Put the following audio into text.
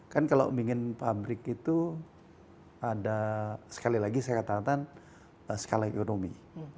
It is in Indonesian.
kan kalau ingin pabrik itu ada sekali lagi saya katakan skala ekonomi